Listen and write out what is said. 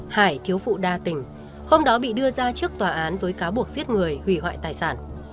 hải thiếu phụ đa tỉnh hôm đó bị đưa ra trước tòa án với cáo buộc giết người hủy hoại tài sản